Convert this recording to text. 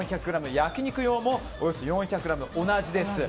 焼き肉用もおよそ４００ｇと同じです。